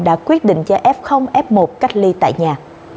đã quyết định cho f f một cách ly tại nhà